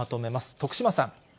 徳島さん。